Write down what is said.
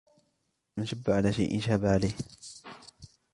من شبّ على شيءٍ شاب عليه.